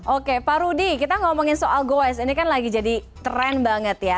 oke pak rudy kita ngomongin soal goes ini kan lagi jadi tren banget ya